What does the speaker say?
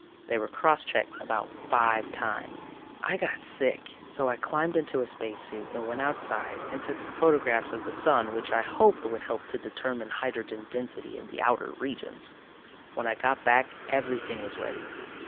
They were cross checked about five times. I got sick so I climbed into a spacesuit and went outside and took some photographs of the Sun which I hoped would help to determine hydrogen density in the outer regions. When I got back everything was ready.